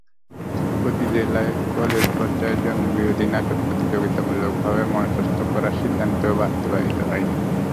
প্রতি জেলায় কলেজ পর্যায়ে জঙ্গিবাদবিরোধী নাটক প্রতিযোগিতামূলকভাবে মঞ্চস্থ করার সিদ্ধান্তও বাস্তবায়িত হয়নি।